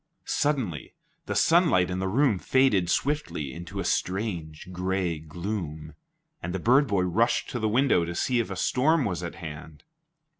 Suddenly the sunlight in the room faded swiftly into a strange gray gloom, and the bird boy rushed to the window to see if a storm was at hand.